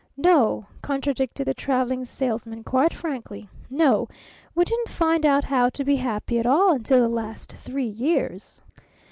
"No!" contradicted the Traveling Salesman quite frankly. "No! We didn't find out how to be happy at all until the last three years!"